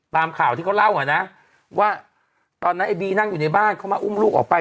ตามข่าวที่เขาเล่าอ่ะนะว่าตอนนั้นไอบีนั่งอยู่ในบ้านเขามาอุ้มลูกออกไป